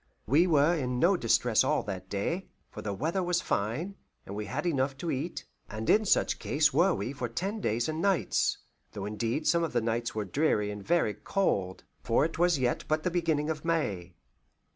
We were in no distress all that day, for the weather was fine, and we had enough to eat; and in such case were we for ten days and nights, though indeed some of the nights were dreary and very cold, for it was yet but the beginning of May.